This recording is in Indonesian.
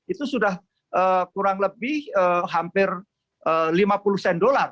itu sudah kurang lebih hampir lima puluh sen dolar